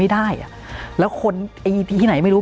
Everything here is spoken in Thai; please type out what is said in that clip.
ได้แล้วคนที่ไหนไม่รู้